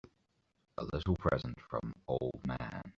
A little present from old man.